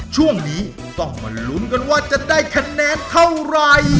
ช่วงนี้ต้องมาลุ้นกันว่าจะได้คะแนนเท่าไหร่